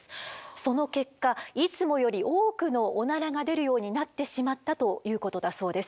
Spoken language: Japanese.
その結果いつもより多くのオナラが出るようになってしまったということだそうです。